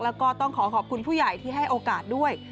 แล้วก็ต้องขอขอบคุณผู้ใหญ่ที่ให้โอกาสด้วย